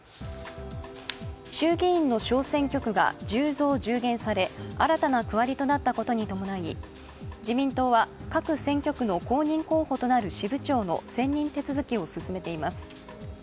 衆議院の小選挙区が１０増１０減され新たな区割りとなったことに伴い自民党は、各選挙区の公認候補となる支部長の選任手続きを続けています。